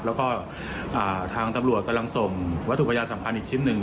แล้วก็ทางตำรวจกำลังส่งวัตถุพยานสำคัญอีกชิ้นหนึ่ง